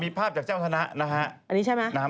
มีภาพจากแจ้งวัฒนะ